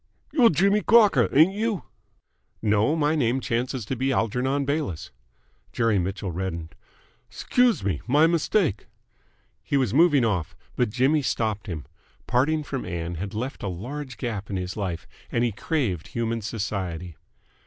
"You're Jimmy Crocker, ain't you?" "No. My name chances to be Algernon Bayliss." Jerry Mitchell reddened. "'Scuse me. My mistake." He was moving off, but Jimmy stopped him. Parting from Ann had left a large gap in his life, and he craved human society.